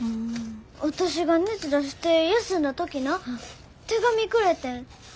私が熱出して休んだ時な手紙くれてん。